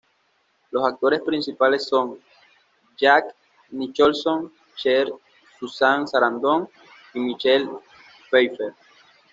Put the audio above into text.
Los actores principales son Jack Nicholson, Cher, Susan Sarandon y Michelle Pfeiffer.